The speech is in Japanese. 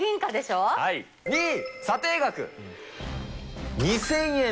２位、査定額２０００円。